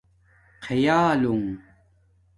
خئالݸنݣ